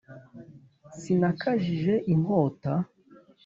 Sinakajije inkota